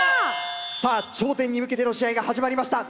さぁ頂点に向けての試合が始まりました。